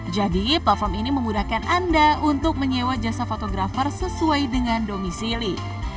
jadi platform ini memudahkan anda untuk menyewa jasa fotografer sesuai dengan domisili